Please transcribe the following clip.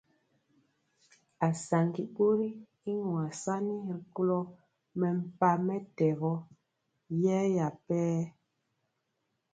Asaŋgi bori y nyuasani ri kolo mempah mɛtɛgɔ yɛya per.